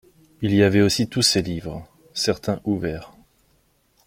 Il y avait aussi tous ces livres, certains ouverts